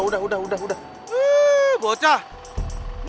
stands camera nya mau akenta ya